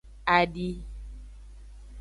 Adi.